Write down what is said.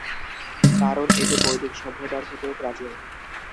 কারণ এটি বৈদিক সভ্যতার থেকেও প্রাচীন।